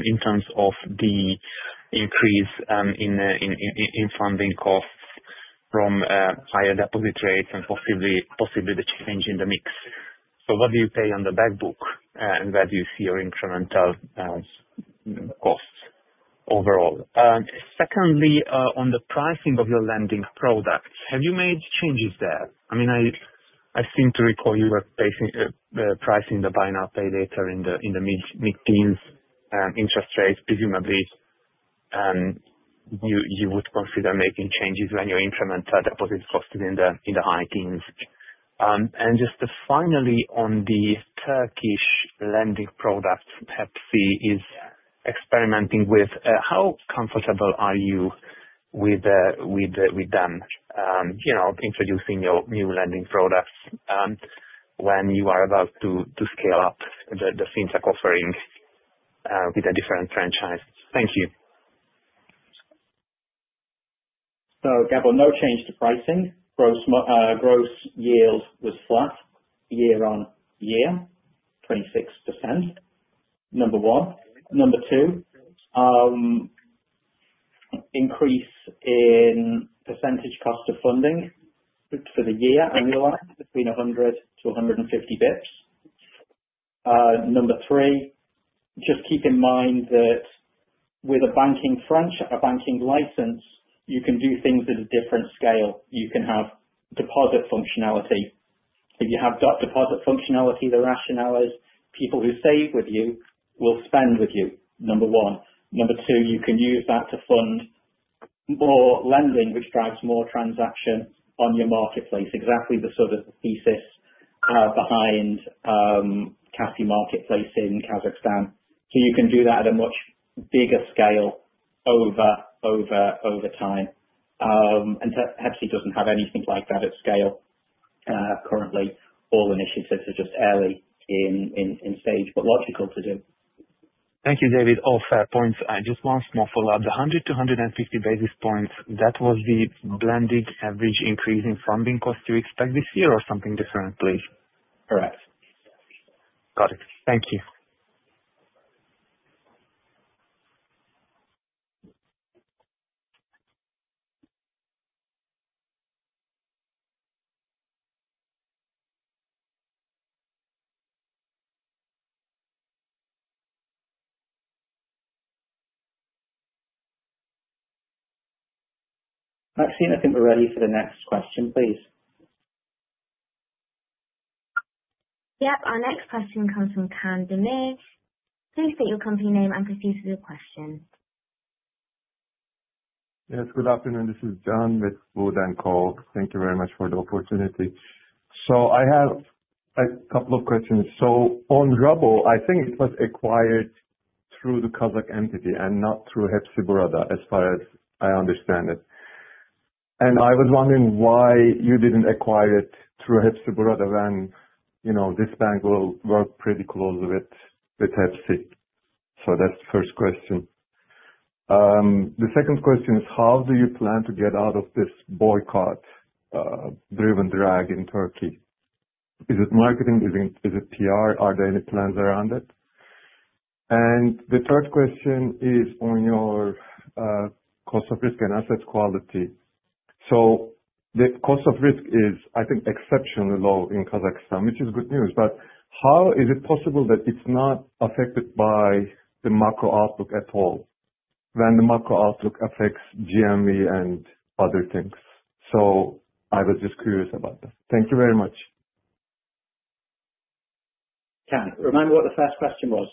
in terms of the increase in funding costs from higher deposit rates and possibly the change in the mix? What do you pay on the backbook, and where do you see your incremental costs overall? Secondly, on the pricing of your lending products, have you made changes there? I mean, I seem to recall you were basing pricing the buy now, pay later in the mid-teens interest rates, presumably. You would consider making changes when you increment deposit costs in the high teens. Just finally, on the Turkish lending products Hepsiburada is experimenting with, how comfortable are you with them, you know, introducing new lending products when you are about to scale up the Fintech offering with a different franchise? Thank you. Gabor, no change to pricing. Gross yield was flat year on year, 26%. Number one. Number two, increase in percentage cost of funding for the year, annualized, between 100-150 basis points. Number three, just keep in mind that with a banking franchise, a banking license, you can do things at a different scale. You can have deposit functionality. If you have deposit functionality, the rationale is people who save with you will spend with you, number one. Number two, you can use that to fund more lending, which drives more transaction on your marketplace, exactly the sort of thesis behind Kaspi.kz marketplace in Kazakhstan. You can do that at a much bigger scale over time. Hepsiburada does not have anything like that at scale currently. All initiatives are just early in stage, but logical to do. Thank you, David. All fair points. Just one small follow-up. The 100-150 basis points, that was the blended average increase in funding costs you expect this year or something different, please? Correct. Got it. Thank you. Maxine, I'm already for the next question, please. Yep. Our next question comes from Can Demir. Please state your company name and proceed with your question. Yes. Good afternoon. This is Can with Wood & Co. Thank you very much for the opportunity. I have a couple of questions. On Rabobank, I think it was acquired through the Kazakh entity and not through Hepsiburada, as far as I understand it. I was wondering why you did not acquire it through Hepsiburada when, you know, this bank will work pretty close with Hepsi. That is the first question. The second question is, how do you plan to get out of this boycott-driven drag in Türkiye? Is it marketing? Is it PR? Are there any plans around it? The third question is on your cost of risk and asset quality. The cost of risk is, I think, exceptionally low in Kazakhstan, which is good news. How is it possible that it's not affected by the macro outlook at all when the macro outlook affects GMV and other things? I was just curious about that. Thank you very much. Can, remind me what the first question was.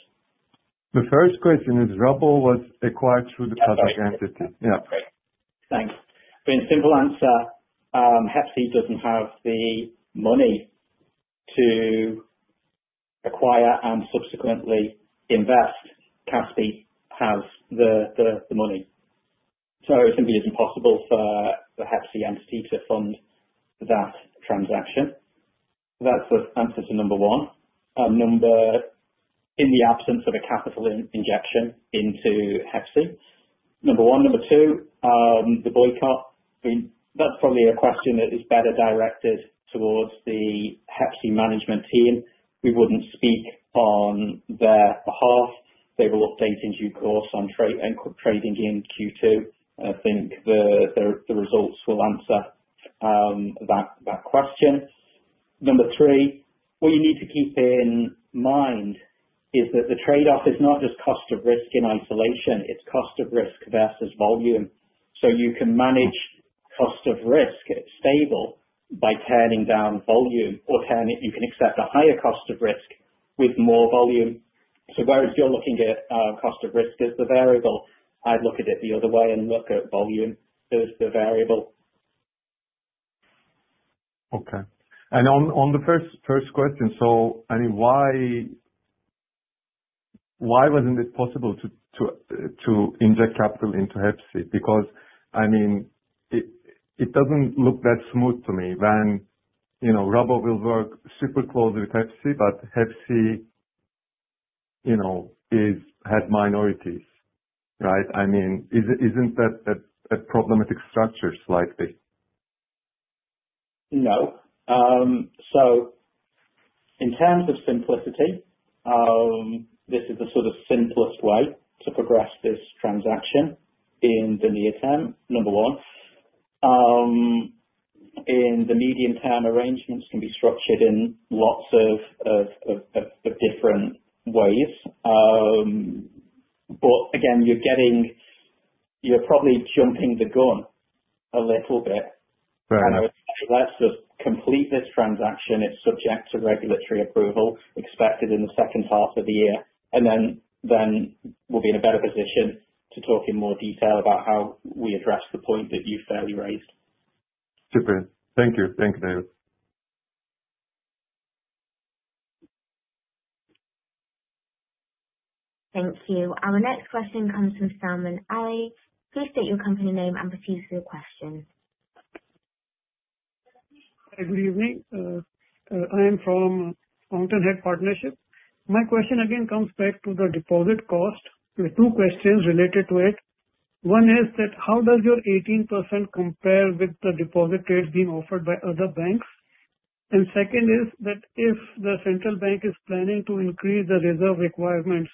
The first question is, Rabo was acquired through the Kazakh entity. Okay. Thanks. Very simple answer. Hepsi doesn't have the money to acquire and subsequently invest. Kaspi has the money. So it simply isn't possible for the Hepsi entity to fund that transaction. That's the answer to number one. In the absence of a capital injection into Hepsi, number one. Number two, the boycott, I mean, that's probably a question that is better directed towards the Hepsi management team. We wouldn't speak on their behalf. They will update in due course on trade and trading in Q2. I think the results will answer that question. Number three, what you need to keep in mind is that the trade-off is not just cost of risk in isolation. It's cost of risk versus volume. You can manage cost of risk stable by turning down volume or you can accept a higher cost of risk with more volume. Whereas you're looking at cost of risk as the variable, I'd look at it the other way and look at volume as the variable. Okay. On the first question, I mean, why wasn't it possible to inject capital into Hepsi? Because, I mean, it doesn't look that smooth to me when, you know, Rabo will work super close with Hepsi, but Hepsi is, you know, has minorities, right? I mean, isn't that problematic structure slightly? No. In terms of simplicity, this is the simplest way to progress this transaction in the near term, number one. In the medium term, arrangements can be structured in lots of different ways. Again, you're probably jumping the gun a little bit. Right. I would say let's just complete this transaction. It is subject to regulatory approval expected in the second half of the year. Then we'll be in a better position to talk in more detail about how we address the point that you've fairly raised. Super. Thank you. Thank you, David. Thank you. Our next question comes from Salman Ali. Please state your company name and proceed with your question. Hi. Good evening. I am from Fountainhead Partnership. My question again comes back to the deposit cost. There are two questions related to it. One is that how does your 18% compare with the deposit rates being offered by other banks? And second is that if the central bank is planning to increase the reserve requirements,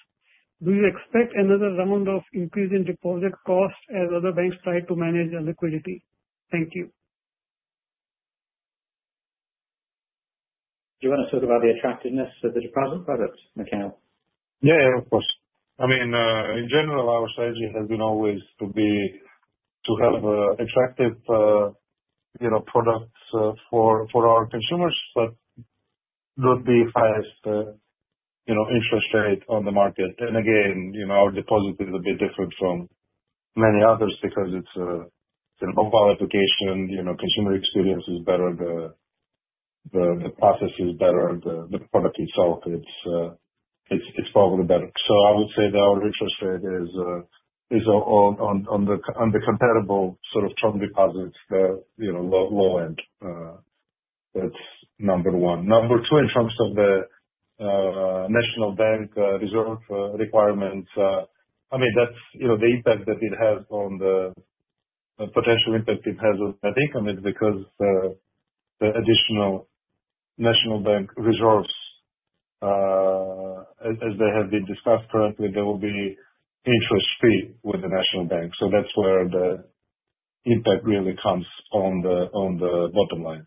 do you expect another round of increasing deposit costs as other banks try to manage their liquidity? Thank you. Do you want to talk about the attractiveness of the deposit product, Mikheil? Yeah. Of course. I mean, in general, our strategy has been always to have attractive, you know, products for our consumers, but not the highest, you know, interest rate on the market. Again, you know, our deposit is a bit different from many others because it is an overall application. You know, consumer experience is better, the process is better, the product itself, it is probably better. I would say that our interest rate is, on the comparable sort of term deposits, the low end, that's number one. Number two, in terms of the national bank reserve requirements, I mean, that's, you know, the impact that it has on the, the potential impact it has on net income is because the additional national bank reserves, as they have been discussed currently, there will be interest free with the national bank. That's where the impact really comes on the bottom line.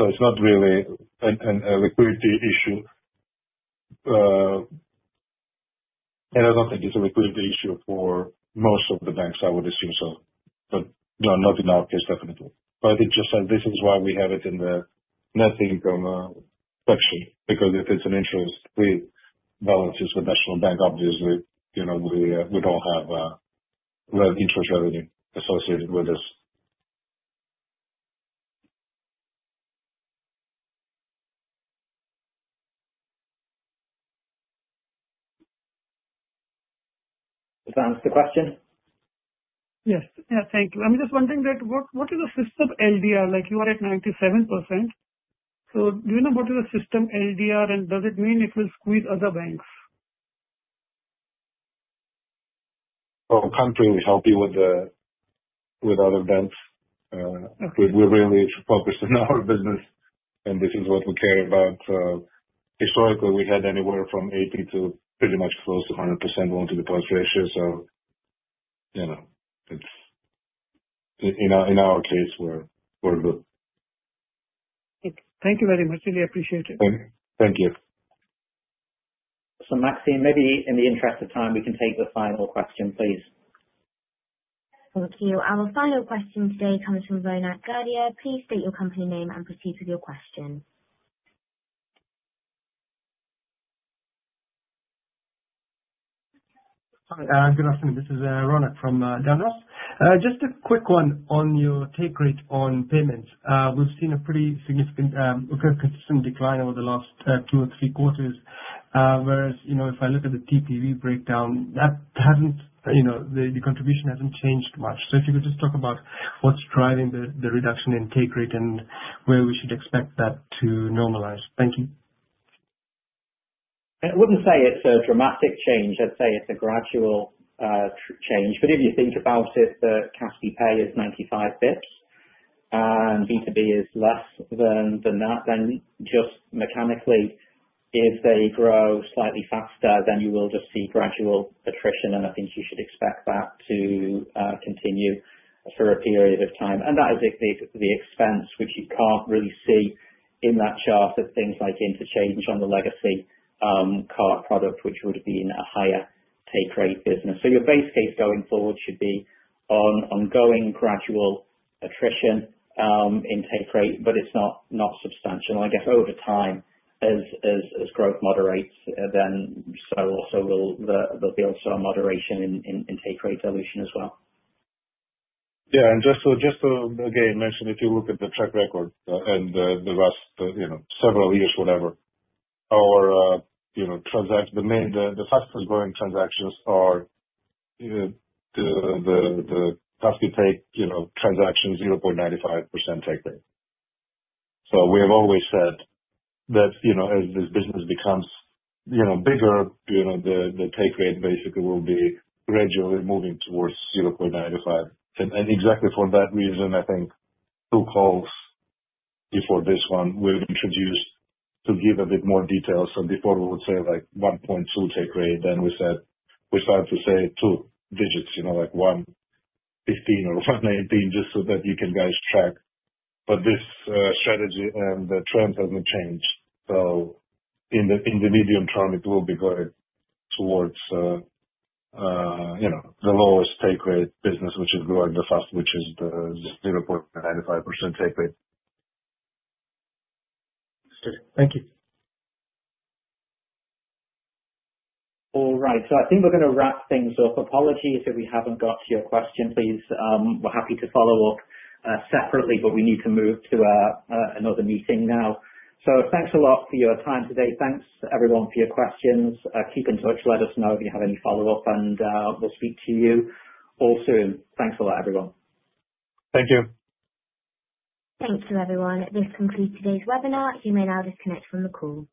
It's not really a liquidity issue. I don't think it's a liquidity issue for most of the banks, I would assume so. You know, not in our case, definitely. This is why we have it in the net income section, because if it's an interest free balance with national bank, obviously, you know, we don't have real interest revenue associated with this. Does that answer the question? Yes. Yeah. Thank you. I'm just wondering what is the system LDR? Like, you are at 97%. So do you know what is a system LDR, and does it mean it will squeeze other banks? Oh, can't really help you with the, with other banks. Okay. We, we're really focused on our business, and this is what we care about. Historically, we had anywhere from 80% to pretty much close to 100% multi-deployed ratio. So, you know, it's in, in our, in our case, we're, we're good. Thank you. Thank you very much. Really appreciate it. Thank you. Maxine, maybe in the interest of time, we can take the final question, please. Thank you. Our final question today comes from Ronak Gurdia. Please state your company name and proceed with your question. Hi. Good afternoon. This is Ronak from DNB Markets. Just a quick one on your take rate on payments. We've seen a pretty significant, a consistent decline over the last two or three Quarters. Whereas, you know, if I look at the TPV breakdown, that hasn't, you know, the contribution hasn't changed much. If you could just talk about what's driving the reduction in take rate and where we should expect that to normalize. Thank you. I wouldn't say it's a dramatic change. I'd say it's a gradual change. If you think about it, the Kaspi Pay is 95 basis points, and B2B is less than that. Just mechanically, if they grow slightly faster, you will see gradual attrition. I think you should expect that to continue for a period of time. That is the expense, which you cannot really see in that chart, of things like interchange on the legacy card product, which would have been a higher take rate business. Your base case going forward should be ongoing gradual attrition in take rate, but it's not substantial. I guess over time, as growth moderates, there will also be a moderation in take rate evolution as well. Yeah. And just to, just to again mention, if you look at the track record, and the last, you know, several years, whatever, our, you know, the main, the fastest growing transactions are the Kaspi take, you know, transactions, 0.95% take rate. We have always said that, you know, as this business becomes, you know, bigger, you know, the take rate basically will be gradually moving towards 0.95%. Exactly for that reason, I think two calls before this one we introduced to give a bit more detail. Before, we would say, like, 1.2% take rate, then we said we started to say two digits, you know, like 1.15% or 1.18%, just so that you can guys track. This strategy and the trend has not changed. In the medium term, it will be going towards, you know, the lowest take rate business, which is growing the fastest, which is the 0.95% take rate. Good. Thank you. All right. I think we're gonna wrap things up. Apologies if we haven't got to your question, please. We're happy to follow up separately, but we need to move to another meeting now. Thanks a lot for your time today. Thanks, everyone, for your questions. Keep in touch. Let us know if you have any follow-up, and we'll speak to you all soon. Thanks a lot, everyone. Thank you. Thanks to everyone. This concludes today's webinar. You may now disconnect from the call.